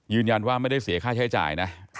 ยืนยันว่าไม่ได้เสียค่าใช้จ่ายนะ